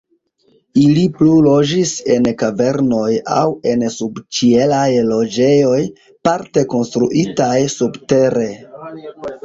Ili plu loĝis en kavernoj aŭ en subĉielaj loĝejoj, parte konstruitaj subtere.